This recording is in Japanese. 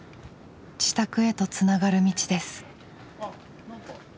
自宅へとつながる道です。